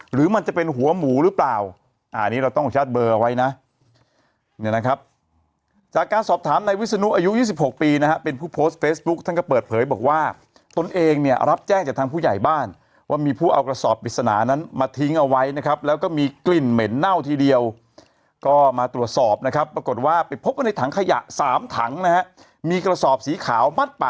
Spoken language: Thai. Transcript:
หรือมันจะเป็นหัวหมูหรือเปล่าอันนี้เราต้องชัดเบอร์ไว้นะเนี่ยนะครับจากการสอบถามในวิศนุอายุ๒๖ปีนะฮะเป็นผู้โพสต์เฟซบุ๊คท่านก็เปิดเผยบอกว่าตนเองเนี่ยรับแจ้งจากทางผู้ใหญ่บ้านว่ามีผู้เอากระสอบปริศนานั้นมาทิ้งเอาไว้นะครับแล้วก็มีกลิ่นเหม็นเน่าทีเดียวก็มาตรวจสอบนะครับปรากฏว่าไปพบกันในถังขยะ๓ถังนะฮะมีกระสอบสีขาวมัดป